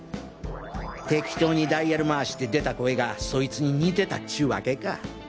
適当にダイヤル回して出た声がそいつに似てたっちゅうワケか